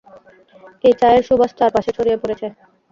এই চায়ের সুবাস চারপাশে ছড়িয়ে পড়েছে।